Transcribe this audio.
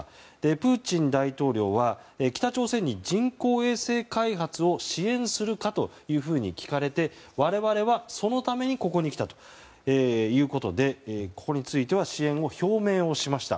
プーチン大統領は北朝鮮に人工衛星開発を支援するかというふうに聞かれて我々はそのためにここに来たということでここについては支援を表明しました。